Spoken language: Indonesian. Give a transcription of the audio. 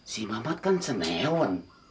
si mamat kan senyawa